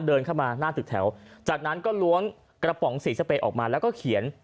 เดินเข้ามาหน้าตึกแถวจากนั้นก็ล้วงกระป๋องสีสเปย์ออกมาแล้วก็เขียน